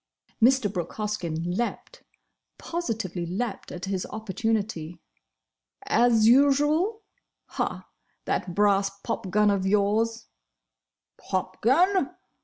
Mr. Brooke Hoskyn leaped—positively leaped at his opportunity. "As usual!—Ha! That brass popgun of yours—" "Popgun!